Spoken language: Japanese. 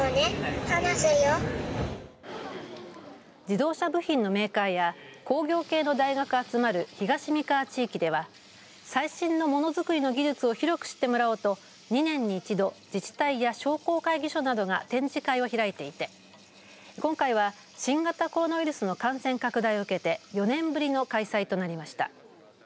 自動車部品のメーカーや工業系の大学が集まる東三河地域では最新のものづくりの技術を広く知ってもらおうと２年に一度、自治体や商工会議所などが展示会を開いていて今回は新型コロナウイルスの感染拡大を受けて４年ぶりの開催となりました。